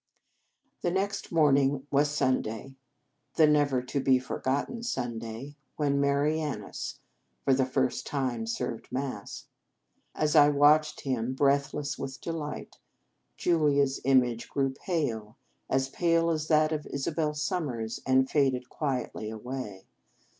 The next morning was Sunday, the never to be forgotten Sunday, when Marianus for the first time served Mass. And as I watched him, breath less with delight, Julia s image grew pale, as pale as that of Isabel Summers, and faded quietly away.